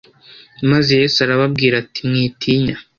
Maze Yesu arababwira ati “Mwitinya